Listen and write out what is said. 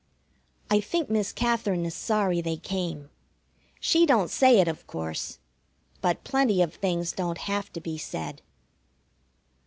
I think Miss Katherine is sorry they came. She don't say it, of course, but plenty of things don't have to be said.